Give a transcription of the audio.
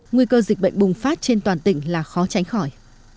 nguy cơ dịch bệnh bùng phát trên toàn tỉnh là khó tránh khỏi